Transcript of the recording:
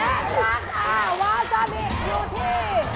หวาซาบิอยู่ที่แพงกว่าใช่ค่ะ